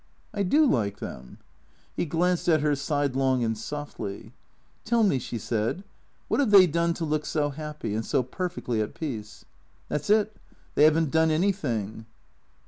« I do like them." He glanced at her sidelong and softly. " Tell me," she said. " What have they done to look so happy, and so perfectly at peace ?"" That 's it. They have n't done anything."